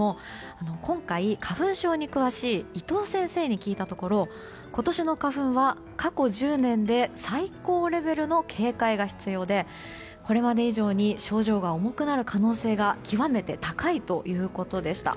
今回、花粉症に詳しい伊東先生に聞いたところ今年の花粉は過去最高レベルの警戒が必要でこれまで以上に症状が重くなる可能性が極めて高いということでした。